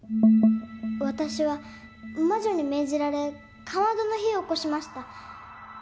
私は魔女に命じられかまどの火をおこしました。